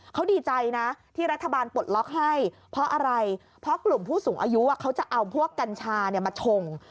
เขาดีใจนะที่รัฐบาลปลดล็อกให้เพราะอะไรเพราะกลุ่มผู้สูงอายุเขาจะเอาพวกกัญชามาชง